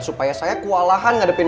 supaya saya kewalahan ngadepin